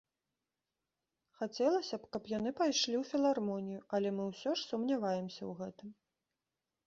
Хацелася б, каб яны пайшлі ў філармонію, але мы ўсё ж сумняваемся ў гэтым.